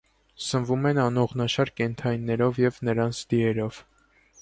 Սնվում են անողնաշար կենդանիներով և նրանց դիերով։